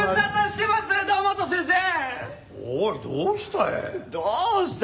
おいどうした？